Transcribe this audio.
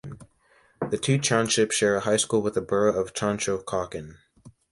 The two townships share a high school with the borough of Conshohocken.